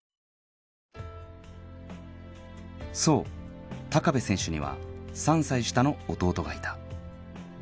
そう部選手には３歳下の弟がいた